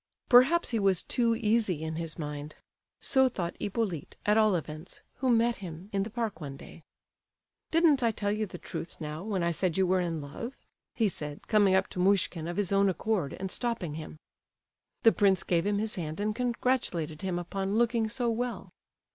Perhaps he was too easy in his mind. So thought Hippolyte, at all events, who met him in the park one day. "Didn't I tell you the truth now, when I said you were in love?" he said, coming up to Muishkin of his own accord, and stopping him. The prince gave him his hand and congratulated him upon "looking so well."